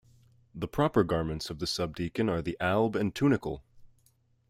The proper garments of the subdeacon are the alb and tunicle.